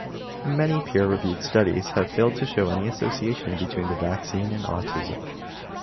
Many peer-reviewed studies have failed to show any association between the vaccine and autism.